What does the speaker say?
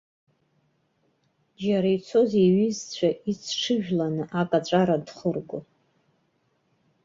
Џьара ицоз иҩызцәа ицҽыжәланы акаҵәара дхыргон.